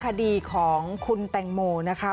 คดีของคุณแตงโมนะคะ